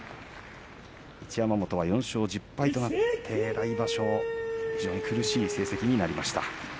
一山本は４勝１０敗となって来場所へ向けて苦しい成績になりました。